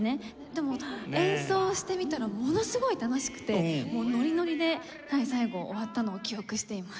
でも演奏してみたらものすごい楽しくてノリノリで最後終わったのを記憶しています。